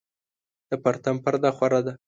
د پرتم پرده خوره ده